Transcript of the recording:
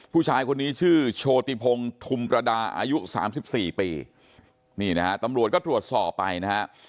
ผู้ชายคนนี้ชื่อโชติพงศ์ธุมประดาอายุสามสิบสี่ปีนี่นะฮะตำรวจก็ตรวจสอบไปนะฮะ